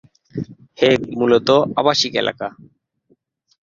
Hague মূলতঃ আবাসিক এলাকা।